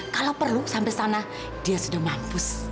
kalau perlu sampai sana dia sudah mampu